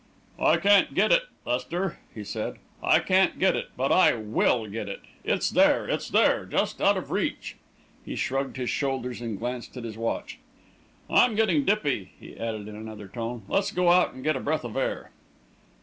"I can't get it, Lester!" he said. "I can't get it. But I will get it! It's there! It's there, just out of reach." He shrugged his shoulders and glanced at his watch. "I'm getting dippy," he added, in another tone. "Let's go out and get a breath of air."